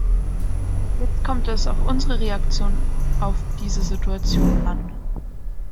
Jetzt kommt es auf unsere Reaktion auf diese Situation an.